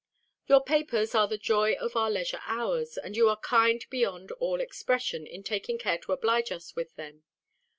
Your papers are the joy of our leisure hours; and you are kind beyond all expression, in taking care to oblige us with them.